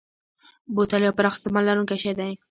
بوتل یو پراخ استعمال لرونکی شی دی.